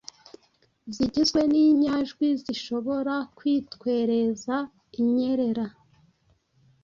zigizwe n'inyajwi zishobora kwitwereza inyerera